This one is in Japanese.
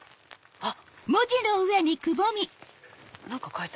あっ！